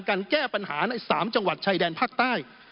การแก้ปัญหาใน๓จังหวัดชายแดนภาคใต้